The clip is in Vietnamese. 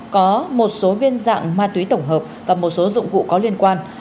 có một số viên dạng ma túy tổng hợp và một số dụng cụ có liên quan